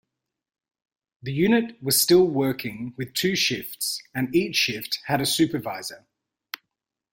The unit was still working with two shifts and each shift had a supervisor.